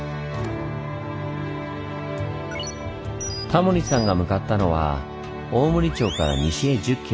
タモリさんが向かったのは大森町から西へ１０キロ